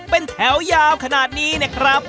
เป็นแถวยาวขนาดนี้นะครับ